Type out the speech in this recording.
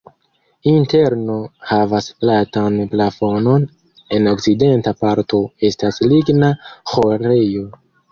Interno havas platan plafonon, en okcidenta parto estas ligna ĥorejo.